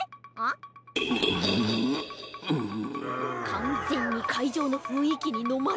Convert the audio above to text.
かんぜんにかいじょうのふんいきにのまれてるな。